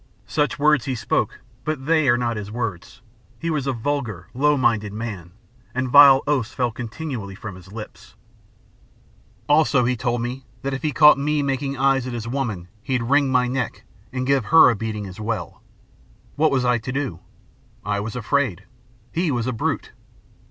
Such words he spoke, but they are not his words. He was a vulgar, low minded man, and vile oaths fell continually from his lips. "Also, he told me that if he caught me making eyes at his woman he'd wring my neck and give her a beating as well. What was I to do? I was afraid. He was a brute.